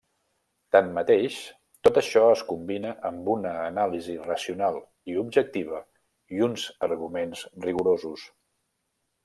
Tanmateix, tot això es combina amb una anàlisi racional i objectiva i uns arguments rigorosos.